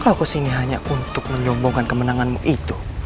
kau kesini hanya untuk menyombongkan kemenanganmu